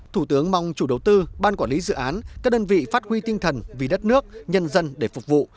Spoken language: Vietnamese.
thủ tướng mong chủ đầu tư ban quản lý dự án các đơn vị phát huy tinh thần vì đất nước nhân dân để phục vụ